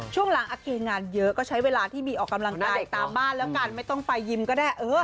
ช่วงหลังโอเคงานเยอะก็ใช้เวลาที่มีออกกำลังกายตามบ้านแล้วกันไม่ต้องไปยิ้มก็ได้